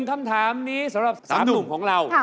คำถามนี้สำหรับ๓หนุ่มของเรา